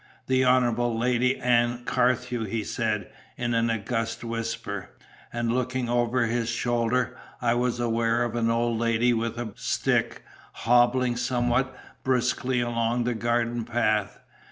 "The Honourable Lady Ann Carthew," he said, in an august whisper. And looking over his shoulder, I was aware of an old lady with a stick, hobbling somewhat briskly along the garden path.